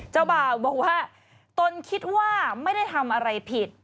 เจ้าบ่าวบอกว่าตนคิดว่าไม่ได้ทำอะไรผิด